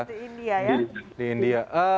seperti india ya